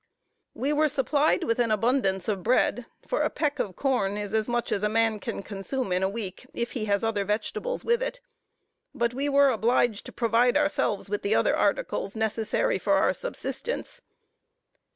We were supplied with an abundance of bread, for a peck of corn is as much as a man can consume in a week, if he has other vegetables with it; but we were obliged to provide ourselves with the other articles, necessary for our subsistence.